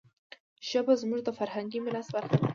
ژبه زموږ د فرهنګي میراث برخه ده.